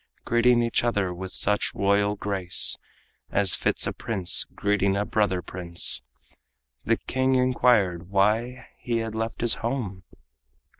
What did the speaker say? Greeting each other with such royal grace As fits a prince greeting a brother prince, The king inquired why he had left his home?